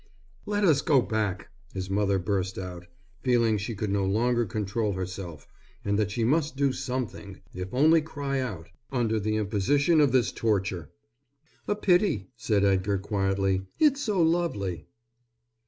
"Let us go back," his mother burst out, feeling she could no longer control herself and that she must do something, if only cry out, under the imposition of this torture. "A pity," said Edgar quietly, "it's so lovely."